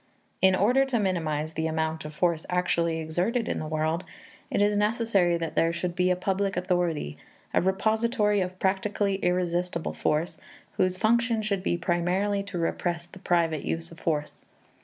In order to minimize the amount of force actually exerted in the world, it is necessary that there should be a public authority, a repository of practically irresistible force, whose function should be primarily to repress the private use of force.